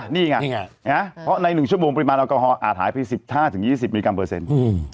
นี่ไงเพราะใน๑ชั่วโมงปริมาณอากาศอาถายไป๑๕๒๐มิลลิกรัมเปอร์เซ็นต์